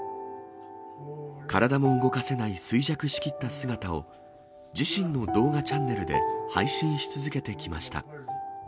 体も動かせない衰弱しきった姿を、自身の動画チャンネルで配信し続けてきました。